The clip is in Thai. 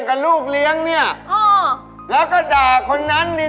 งานเล่านึกตรงจากตลกเยอะเหมือนกันนะนี่